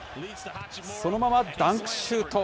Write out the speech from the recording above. そのままダンクシュート。